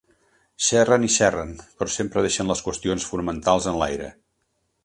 Xerren i xerren, però sempre deixen les qüestions fonamentals enlaire.